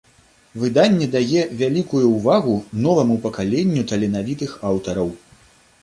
Выданне дае вялікую ўвагу новаму пакаленню таленавітых аўтараў.